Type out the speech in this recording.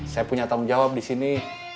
saya punya tanggung jawab disini